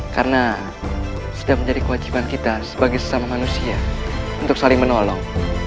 karena sudah menjadi kewajiban kita sebagai sesama manusia untuk saling menolong